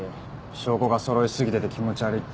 証拠がそろいすぎてて気持ち悪いって。